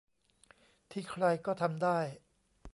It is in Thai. ที่ใครก็ทำได้